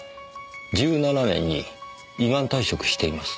１７年に依願退職しています。